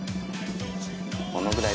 このぐらい。